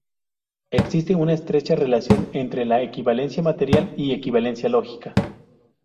Existe una estrecha relación entre la equivalencia material y equivalencia lógica.